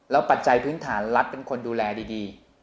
ปัจจัยพื้นฐานรัฐเป็นคนดูแลดี